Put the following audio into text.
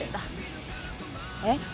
えっ？